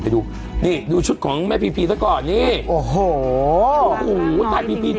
ไปดูนี่ดูชุดของแม่พีพีซะก่อนนี่โอ้โหโอ้โหตายพีพี